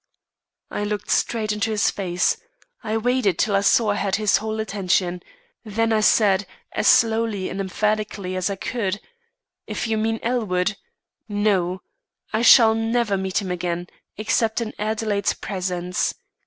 "I looked straight into his face. I waited till I saw I had his whole attention; then I said, as slowly and emphatically as I could: 'If you mean Elwood no! I shall never meet him again, except in Adelaide's presence.